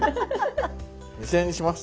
２，０００円にします。